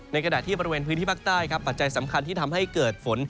ขณะที่บริเวณพื้นที่ภาคใต้ครับปัจจัยสำคัญที่ทำให้เกิดฝน